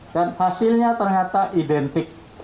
dan hasilnya ternyata identik